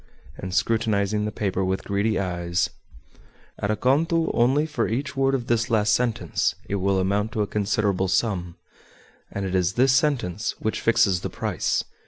And, scrutinizing the paper with greedy eyes, "At a conto only for each word of this last sentence it will amount to a considerable sum, and it is this sentence which fixes the price.